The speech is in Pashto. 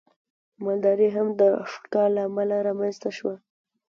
مالداري هم د ښکار له امله رامنځته شوه.